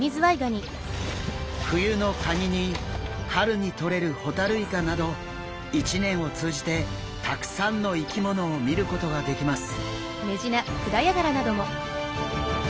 冬のカニに春にとれるホタルイカなど一年を通じてたくさんの生き物を見ることができます。